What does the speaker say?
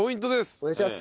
お願いします。